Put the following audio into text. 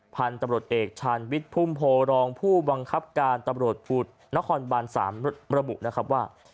พันธุ์ตำรวจเอกชาญวิทย์พุ่มโพรองผู้บังคับการตำรวจนครบาน๓ระบุนะครับว่า